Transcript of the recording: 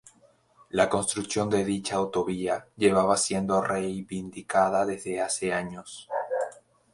La construcción de dicha autovía llevaba siendo reivindicada desde hace años.